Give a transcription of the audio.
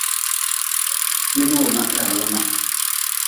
Nid-wunah yagli ma.